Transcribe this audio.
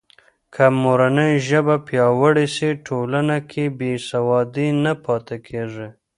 که مورنۍ ژبه پیاوړې سي، ټولنه کې بې سوادي نه پاتې کېږي.